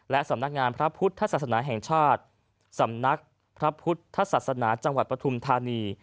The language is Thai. และสำนักงานพระพุทธศาสนาแห่งชาติสำนักพระพุทธศาสนาจังหวัดปฐุมธานี